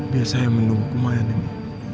biar saya menunggu kemahian ini